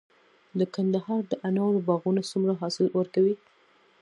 د کندهار د انارو باغونه څومره حاصل ورکوي؟